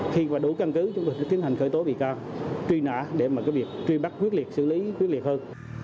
khi mà đủ căn cứ chúng tôi sẽ tiến hành khởi tố bị cao truy nã để mà cái việc truy bắt huyết liệt xử lý huyết liệt hơn